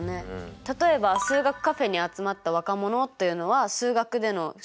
例えば数学カフェに集まった若者というのは数学での集合とは言えませんよね。